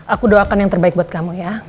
aku doakan yang terbaik buat kamu ya